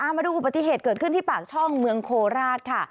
มาดูอุบัติเหตุเกิดขึ้นที่ปากช่องเมืองโคราชค่ะ